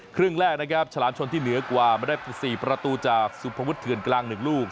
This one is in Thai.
ครึ่งแรกนะครับฉลามชนที่เหนือกว่ามาได้๔ประตูจากสุภวุฒิเถื่อนกลาง๑ลูก